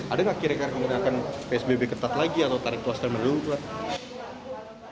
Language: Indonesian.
ada nggak kira kira kemudian akan psbb ketat lagi atau tarik kuas terlalu luar